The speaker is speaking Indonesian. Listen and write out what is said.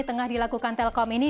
tengah dilakukan telkom ini